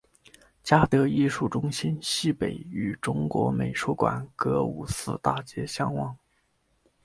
嘉德艺术中心西北与中国美术馆隔五四大街相望。